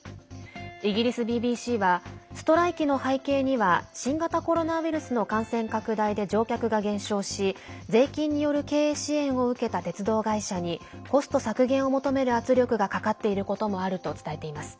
イギリスＢＢＣはストライキの背景には新型コロナウイルスの感染拡大で乗客が減少し税金による経営支援を受けた鉄道会社にコスト削減を求める圧力がかかっていることもあると伝えています。